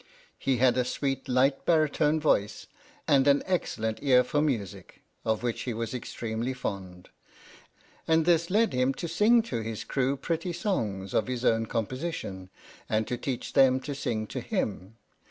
He had a sweet light baritone voice, and an excellent ear for music, of which he was extremely fond, and this led him to sing to his crew pretty songs of his own composition, and to teach them to sing to him.